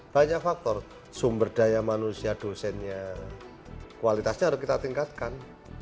banyak faktor sumber daya manusia dosennya kualitasnya harus kita tingkatkan